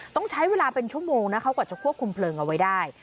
ต้องใช้เวลาเป็นชั่วโมงนะคะกว่าจะควบคุมเพลิงเอาไว้ได้